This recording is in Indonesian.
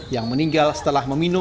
yang meninggal setelah meminum